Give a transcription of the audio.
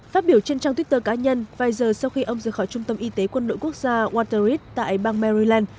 phát biểu trên trang twitter cá nhân vài giờ sau khi ông rời khỏi trung tâm y tế quân đội quốc gia waterres tại bang maryland